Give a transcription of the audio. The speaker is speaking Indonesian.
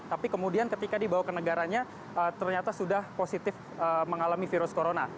tapi kemudian ketika dibawa ke negaranya ternyata sudah positif mengalami virus corona